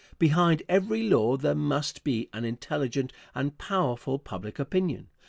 Behind every law there must be an intelligent and powerful public opinion.